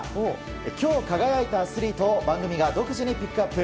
今日輝いたアスリートを番組が独自にピックアップ。